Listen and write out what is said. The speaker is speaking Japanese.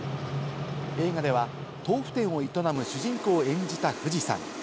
映画では豆腐店を営む主人公を演じた藤さん。